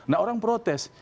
nah orang protes